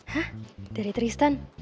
hah dari tristan